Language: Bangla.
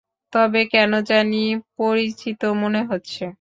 তবে কেন জানি পরিচিত মনে হচ্ছে।